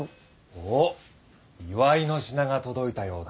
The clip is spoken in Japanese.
おぉ祝いの品が届いたようだ。